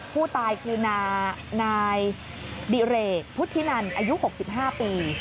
ผู้ตายคือนายดิเรกพุทธินันอายุ๖๕ปี